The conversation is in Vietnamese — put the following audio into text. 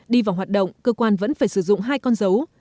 đi vào hoạt động cơ quan vẫn phải sử dụng hai con dấu